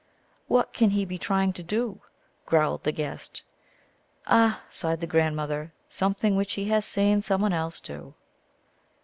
" What can he be trying to do ?" growled the guest. " Ah !" sighed the grandmother, " something which he has seen some one else do."